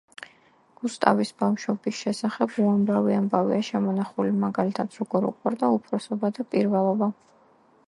გუსტავის ბავშვობის შესახებ უამრავი ამბავია შემონახული, მაგალითად, როგორ უყვარდა უფროსობა და პირველობა.